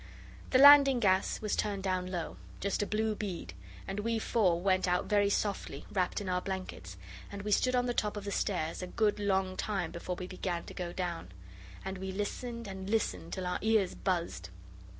The landing gas was turned down low just a blue bead and we four went out very softly, wrapped in our blankets, and we stood on the top of the stairs a good long time before we began to go down. And we listened and listened till our ears buzzed.